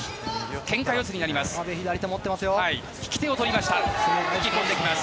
けんか四つになります。